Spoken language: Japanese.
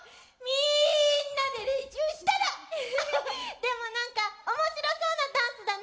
ウフフでも何か面白そうなダンスだね！